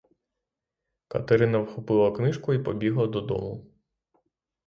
Катерина вхопила книжку й побігла додому.